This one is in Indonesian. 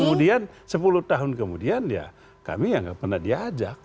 kemudian sepuluh tahun kemudian ya kami yang pernah diajak